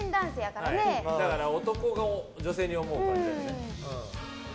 だから男が女性に思う感じだよね。